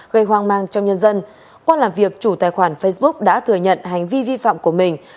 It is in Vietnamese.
gây hoang mang trong nhân dân qua làm việc chủ tài khoản facebook đã thừa nhận hành vi vi phạm của mình